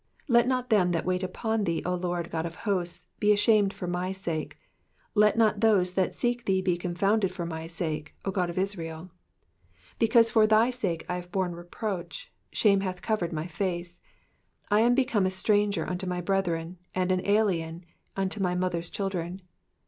6 Let not them that wait on thee, O Lord GOD of hosts, be ashamed for my sake : let not those that seek thee be confounded for my sake, O God of Israel. 7 Because for thy sake I have borne reproach ; shame hath covered my face. 8 I am become a stranger unto my brethren, and an alien unto* my mother's children.